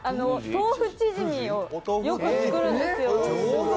豆腐チヂミをよく作るんですよ。